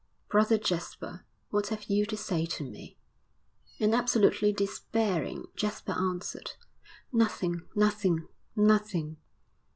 'Brother Jasper, what have you to say to me?' And absolutely despairing, Jasper answered, 'Nothing, nothing, nothing!'